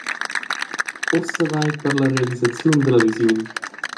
Ussa va ei per la realisaziun dalla visiun.